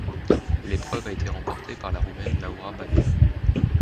L'épreuve a été remportée par la Roumaine Laura Badea.